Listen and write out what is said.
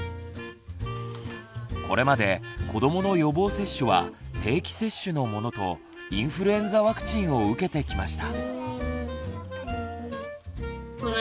これまで子どもの予防接種は定期接種のものとインフルエンザワクチンを受けてきました。